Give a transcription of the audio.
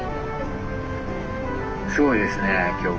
すごいですね今日。